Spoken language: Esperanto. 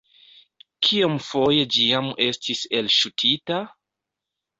Kiomfoje ĝi jam estis elŝutita?